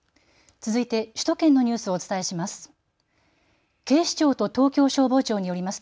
続いて首都圏のニュースをお伝えします。